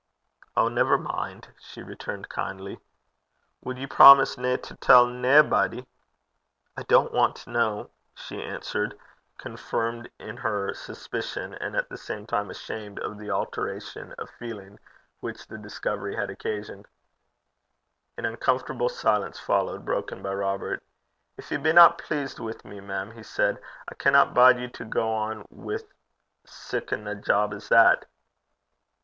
'Oh! never mind,' she returned kindly. 'Wad ye promise nae to tell naebody?' 'I don't want to know,' she answered, confirmed in her suspicion, and at the same time ashamed of the alteration of feeling which the discovery had occasioned. An uncomfortable silence followed, broken by Robert. 'Gin ye binna pleased wi' me, mem,' he said, 'I canna bide ye to gang on wi' siccan a job 's that.'